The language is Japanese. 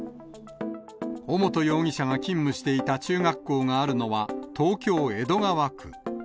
尾本容疑者が勤務していた中学校があるのは、東京・江戸川区。